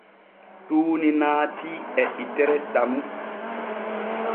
Tuuni naatii e itere Tamu.